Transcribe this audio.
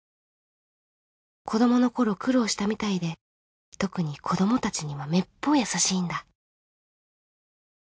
子どもの頃苦労したみたいで特に子どもたちにはめっぽう優しいんだ。